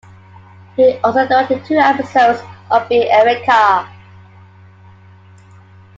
He also directed two episodes of "Being Erica".